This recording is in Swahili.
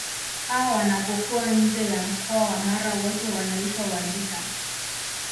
Hawa wanapokuwa nje ya mkoa wa Mara wote wanaitwa Wajita